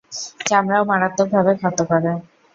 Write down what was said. চামড়াও মারাত্মকভাবে ক্ষত করে।